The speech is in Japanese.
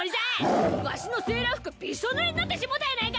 わしのセーラー服びしょぬれになってしもたやないか。